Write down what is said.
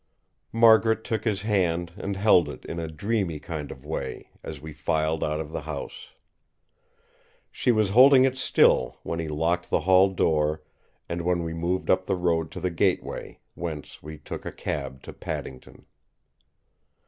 Margaret took his hand and held it in a dreamy kind of way as we filed out of the house. She was holding it still when he locked the hall door, and when we moved up the road to the gateway, whence we took a cab to Paddington.